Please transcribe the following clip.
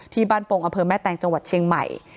ที่บ้านปงอำเภอแม่แตงจังหวัดเชียงใหม่